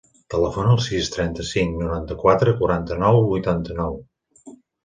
Telefona al sis, trenta-cinc, noranta-quatre, quaranta-nou, vuitanta-nou.